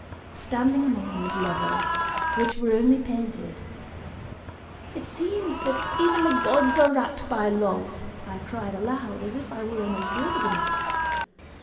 Standing among these lovers, which were only painted, "It seems that even the gods are wracked by love," I cried aloud, as if I were in a wilderness.